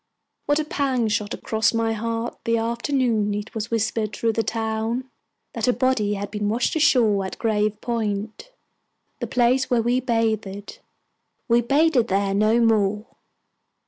What a pang shot across my heart the afternoon it was whispered through the town that a body had been washed ashore at Grave Point the place where we bathed. We bathed there no more!